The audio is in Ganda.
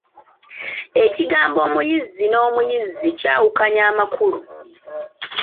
Ekigambo Omuyizzi n'omuyizi kyawukanya amakulu.